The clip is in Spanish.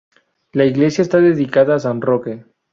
La iglesia está dedicada a san Roque.